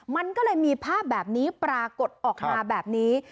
มันก็เลยมีภาพแบบนี้ปรากฏออกมาแบบนี้